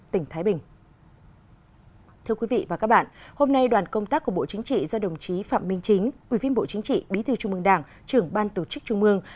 thưa quý vị và các bạn hôm nay đoàn công tác của bộ chính trị do đồng chí phạm minh chính ubnd bí thư trung mương đảng trưởng ban tổ chức trung mương